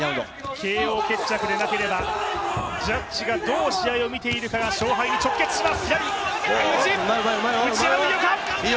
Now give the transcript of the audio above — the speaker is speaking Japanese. ＫＯ決着でなければジャッジがどう試合を見ているかが勝敗に直結します。